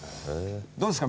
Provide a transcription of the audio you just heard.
どうですか？